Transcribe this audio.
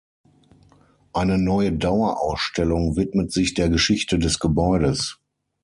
Eine neue Dauerausstellung widmet sich der Geschichte des Gebäudes.